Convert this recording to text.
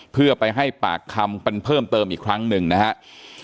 เพื่อไปให้ปากคำกันเพิ่มเติมอีกครั้งหนึ่งนะครับ